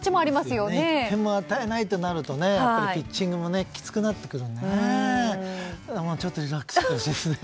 １点も与えないとなるとピッチングもきつくなりますね。